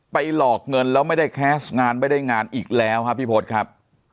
หลอกเงินแล้วไม่ได้แคสต์งานไม่ได้งานอีกแล้วครับพี่พศครับ